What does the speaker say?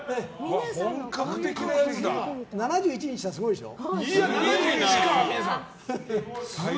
７１にしてはすごいでしょ。